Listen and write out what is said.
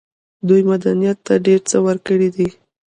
دوی مدنيت ته ډېر څه ورکړي دي.